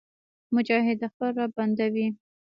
مجاهد د خپل رب بنده وي.